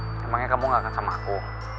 memangnya kamu gak akan sama aku